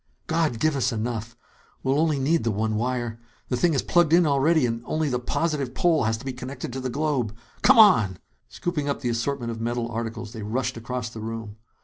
"God give us enough! We'll only need the one wire. The thing is plugged in already and only the positive pole has to be connected to the globe. Come on!" Scooping up the assortment of metal articles, they rushed across the room.